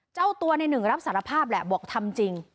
เจ้าตัวในหนึ่งรับสารภาพแหละบอกทำจริง